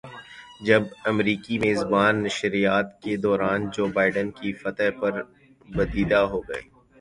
جب امریکی میزبان نشریات کے دوران جو بائیڈن کی فتح پر بدیدہ ہوگئے